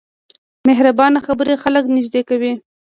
مهربانه خبرې خلک نږدې کوي.